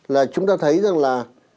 là chúng ta thấy rằng là